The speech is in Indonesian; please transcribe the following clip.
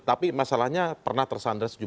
tapi masalahnya pernah tersandra sejumlah kali